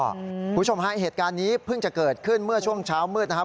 คุณผู้ชมฮะเหตุการณ์นี้เพิ่งจะเกิดขึ้นเมื่อช่วงเช้ามืดนะครับ